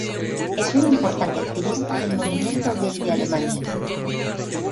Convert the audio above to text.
Es un importante activista del movimiento gay de Alemania.